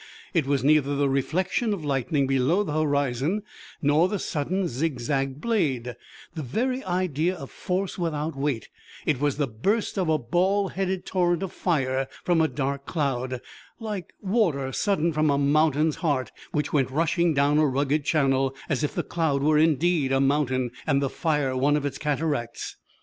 It was neither the reflection of lightning below the horizon, nor the sudden zigzagged blade, the very idea of force without weight; it was the burst of a ball headed torrent of fire from a dark cloud, like water sudden from a mountain's heart, which went rushing down a rugged channel, as if the cloud were indeed a mountain, and the fire one of its cataracts.